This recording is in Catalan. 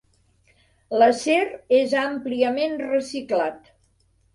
L'acer és àmpliament reciclat.